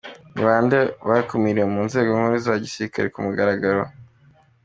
– Ni bande bakumiriwe mu nzego nkuru za gisirikare ku mugaragaro?